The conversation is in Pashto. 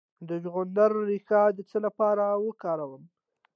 د چغندر ریښه د څه لپاره وکاروم؟